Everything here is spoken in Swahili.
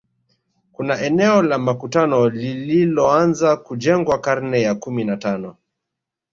Kuna eneo la makutano lililoanza kujengwa karne ya kumi na tano